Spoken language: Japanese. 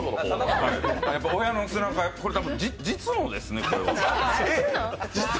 親の背中をこれ、実のですね。